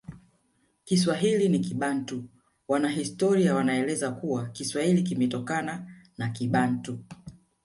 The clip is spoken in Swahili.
Kiswahili ni Kibantu Wanahistoria wanaeleza kuwa Kiswahili kimetokana na Kibantu